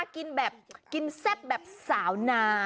กินแบบกินแซ่บแบบสาวนา